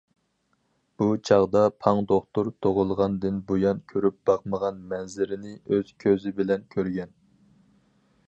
بۇ چاغدا پاڭ دوختۇر تۇغۇلغاندىن بۇيان كۆرۈپ باقمىغان مەنزىرىنى ئۆز كۆزى بىلەن كۆرگەن.